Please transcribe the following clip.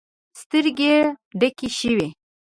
سترګې يې ډکې شوې.